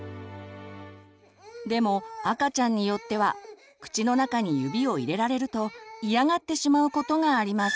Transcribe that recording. でも赤ちゃんによっては口の中に指を入れられると嫌がってしまうことがあります。